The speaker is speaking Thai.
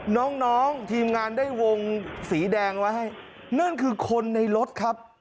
น้องน้องทีมงานได้วงสีแดงไว้ให้นั่นคือคนในรถครับ